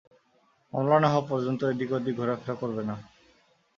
মামলা না হওয়া পর্যন্ত এদিক-ওদিক ঘোরাফেরা করবে না।